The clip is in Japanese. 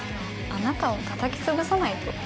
あなたをたたき潰さないと。